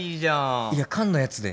いや缶のやつで。